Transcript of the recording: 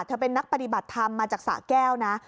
เป็นนักปฏิบัติธรรมมาจากสะแก้วนะ